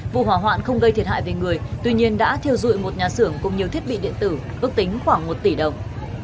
vụ hỏa hoạn không gây thiệt hại về người tuy nhiên đã thiêu dụi một nhà xưởng cùng nhiều thiết bị điện tử ước tính khoảng một tỷ đồng